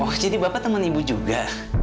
oh jadi bapak teman ibu juga